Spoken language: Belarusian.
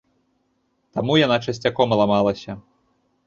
Таму яна часцяком ламалася.